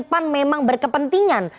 pan memang berkepentingan